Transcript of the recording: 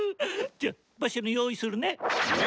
じゃあ馬車の用意するね！